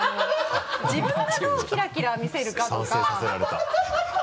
自分がどうキラキラ見せるかとか参戦させられた。